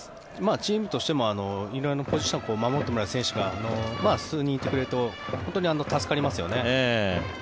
チームとしても色んなポジションを守ってくれる選手が数人いてくれると助かりますよね。